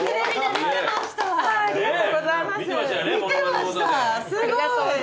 見てましたすごい！